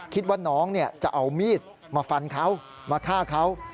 คิดว่าน้องจะเอามีดมาฟันเขามาฆ่าเขา